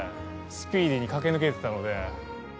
スピーディーに駆け抜けてたので。